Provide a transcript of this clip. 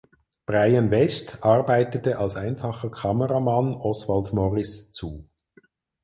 Brian West arbeitete als einfacher Kameramann Oswald Morris zu.